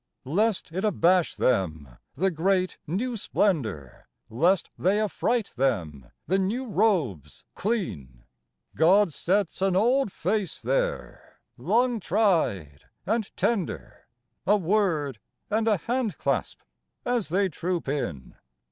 Lest it abash them, the great new splendour, Lest they affright them, the new robes clean, God sets an old face there, long tried and tender, A word and a hand clasp as they troop in.